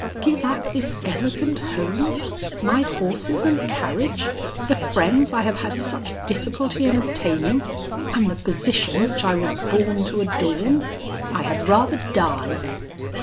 give up this elegant home, my horses and carriage, the friends I have had such difficulty in obtaining, and the position which I was born to adorn? I had rather die!"